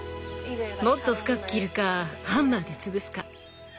もっと深く切るかハンマーで潰すか。